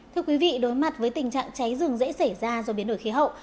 thưa quý vị đối mặt với tình trạng cháy rừng dễ xảy ra do biến đổi khí hậu